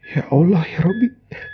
ya allah ya rabbi